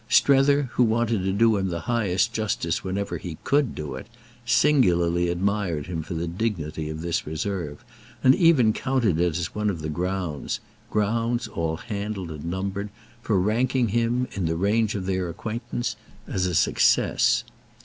Strether, who wanted to do him the highest justice wherever he could do it, singularly admired him for the dignity of this reserve, and even counted it as one of the grounds—grounds all handled and numbered—for ranking him, in the range of their acquaintance, as a success.